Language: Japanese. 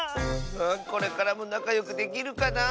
これからもなかよくできるかなあ。